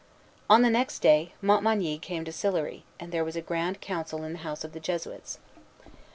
On the next day, Montmagny came to Sillery, and there was a grand council in the house of the Jesuits.